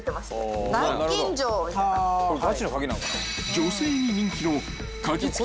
［女性に人気の］